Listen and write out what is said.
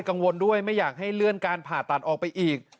กังวลด้วยไม่อยากให้เลื่อนการผ่าตัดออกไปอีก